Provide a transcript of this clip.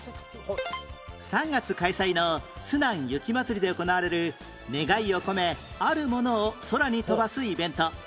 ３月開催のつなん雪まつりで行われる願いを込めあるものを空に飛ばすイベント